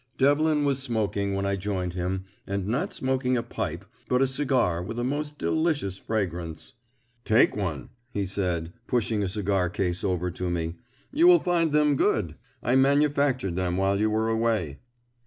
Devlin was smoking when I joined him, and not smoking a pipe, but a cigar with a most delicious fragrance. "Take one," he said, pushing a cigar case over to me; "you will find them good. I manufactured them while you were away."